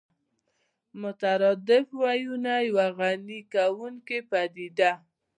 مترادف ويونه يوه غني کوونکې پدیده